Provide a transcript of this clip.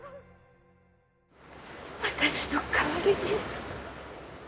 私の代わりに。